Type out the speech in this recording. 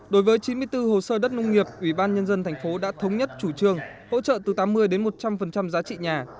đối với chín mươi bốn hồ sơ đất nông nghiệp ubnd thành phố đã thống nhất chủ trương hỗ trợ từ tám mươi đến một trăm linh giá trị nhà